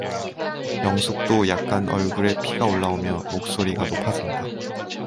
영숙도 약간 얼굴에 피가 올라오며 목소리가 높아진다.